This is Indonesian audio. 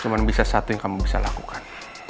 cuma bisa satu yang kamu bisa lakukan